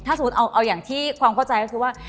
ถ้าสมมุติเอาอย่างที่ความเข้าใจก็คือว่า